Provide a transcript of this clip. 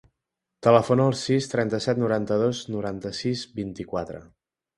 Telefona al sis, trenta-set, noranta-dos, noranta-sis, vint-i-quatre.